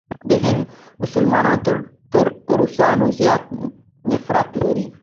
د هند مسلمانان تر روسانو زیات نفرت لري.